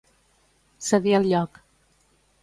Cedir el lloc.